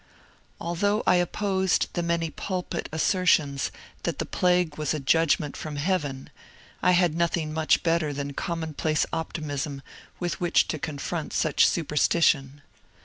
Al though I opposed the many pulpit assertions that the plague was a judgment from Heaven, I had nothing much better than commonplace optimism with which to confront such su perstition.